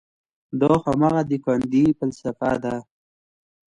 دا هماغه د ګاندي فلسفه ده.